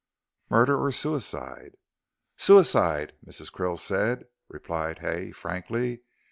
"Murder or suicide?" "Suicide, Mrs. Krill said," replied Hay, frankly.